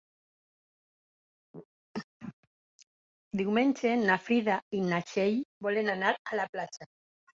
Diumenge na Frida i na Txell volen anar a la platja.